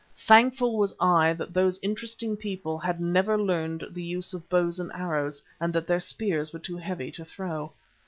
Thankful was I that those interesting people had never learned the use of bows and arrows, and that their spears were too heavy to throw.